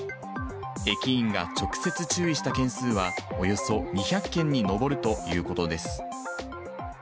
駅員が直接、注意した件数はおよそ２００件に上るということです。